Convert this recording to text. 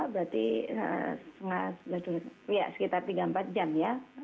berarti setengah ya sekitar tiga empat jam ya